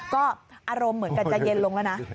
ก็อารมณ์เหมือนกันจะเย็นลงแล้วนะ